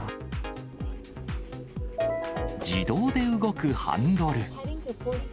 自動で動くハンドル。